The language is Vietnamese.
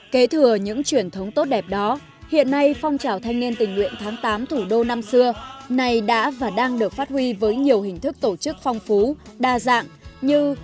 kế thừa những truyền thống tốt đẹp đó hiện nay phong trào thanh niên tình nguyện tháng tám thủ đô năm xưa này đã và đang được phát huy với nhiều hình thức tổ chức phong phú đa dạng như